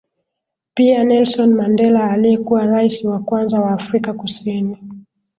Pia Nelson Mandela aliyekuwa raisi wa kwanza wa Afrika Kusini